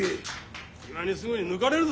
今にすぐ抜かれるぞ！